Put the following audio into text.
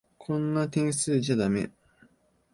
こんな点数じゃだめ。